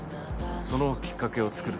そのきっかけを作る。